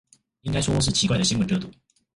應該說是奇怪的新聞熱度